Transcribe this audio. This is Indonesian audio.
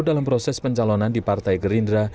dalam proses pencalonan di partai gerindra